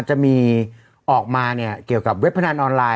จะมีออกมาเนี่ยเกี่ยวกับเว็บพนันออนไลน